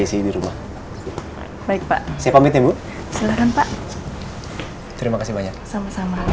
isi di rumah baik pak saya pamit ibu silahkan pak terima kasih banyak sama sama